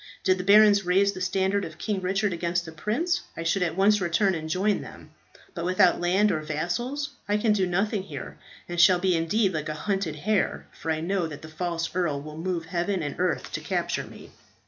Did the barons raise the standard of King Richard against the prince, I should at once return and join them. But without land or vassals, I can do nothing here, and shall be indeed like a hunted hare, for I know that the false earl will move heaven and earth to capture me."